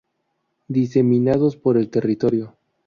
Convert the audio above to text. Diseminados por el territorio.